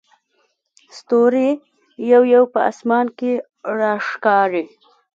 ستوري یو یو په اسمان کې راښکاري.